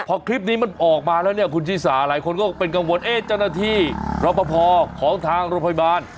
พอคลิปนี้มันออกมาแล้วเนี่ยคุณชิสาหลายคนก็เป็นกังวลเอ๊ะเจ้าหน้าที่รอปภของทางโรงพยาบาล